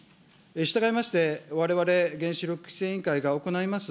したがいまして、われわれ原子力規制委員会が行います